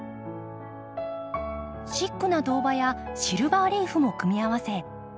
シックな銅葉やシルバーリーフも組み合わせ